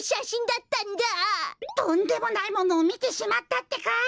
とんでもないものをみてしまったってか。